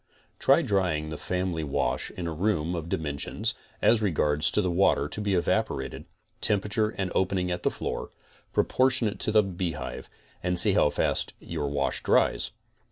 Try, drying the family. wash in a room of dimensions, as regards water to be evaporated, temperature and opening at the floor, proportionate to the beehive, and see how fast your wash dries.